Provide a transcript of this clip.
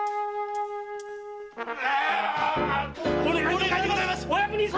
お願いでございますお役人様！